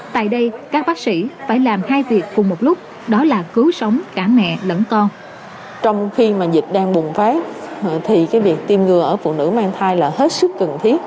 tại đây các bác sĩ phải làm hai việc cùng một lúc